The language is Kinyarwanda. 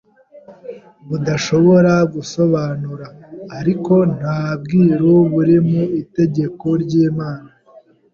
budashobora gusobanura. Ariko nta bwiru buri mu itegeko ry’Imana